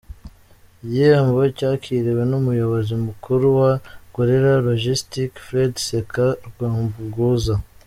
Igihembo cyakiriwe n’Umuyobozi mukuru wa Gorilla Logistics, Fred Seka Rwumbuguza.